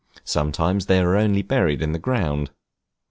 Sometimes they are only buried in the ground.